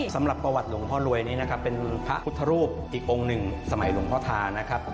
สำหรับประวัติหลวงพ่อรวยนี้นะครับเป็นพระพุทธรูปอีกองค์หนึ่งสมัยหลวงพ่อทานะครับ